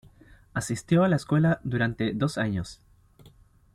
Asistió a la escuela durante dos años.